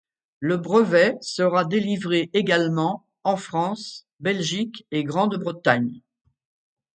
Le brevet sera délivré également en France, Belgique et Grande-Bretagne.